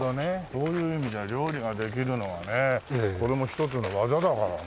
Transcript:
そういう意味じゃ料理ができるのはねそれも一つの技だからな。